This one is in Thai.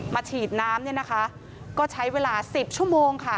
ฉีดน้ำเนี่ยนะคะก็ใช้เวลา๑๐ชั่วโมงค่ะ